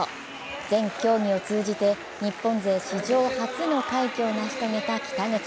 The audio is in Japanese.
全競技を通じて日本勢史上初の快挙を成し遂げた北口。